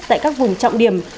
tại các vùng trọng điểm